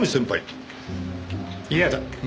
嫌だ。